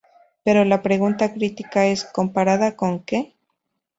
Pero la pregunta crítica es: ¿comparada con que?